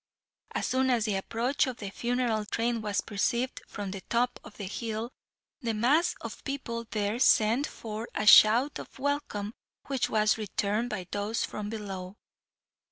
As soon as the approach of the funeral train was perceived from the top of the hill, the mass of people there sent forth a shout of welcome, which was returned by those from below.